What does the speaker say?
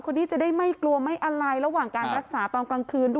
คนนี้จะได้ไม่กลัวไม่อะไรระหว่างการรักษาตอนกลางคืนด้วย